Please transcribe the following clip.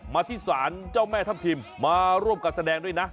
มาที่ศาลเจ้าแม่ทัพทิมมาร่วมการแสดงด้วยนะ